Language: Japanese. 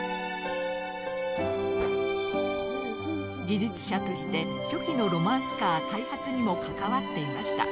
技術者として初期のロマンスカー開発にも関わっていました。